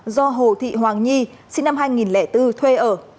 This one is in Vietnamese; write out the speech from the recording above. do hồ thị hoàng nhi sinh năm hai nghìn bốn thuê ở